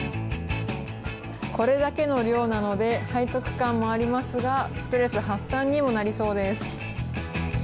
これだけの量なので、背徳感もありますが、ストレス発散にもなりそうです。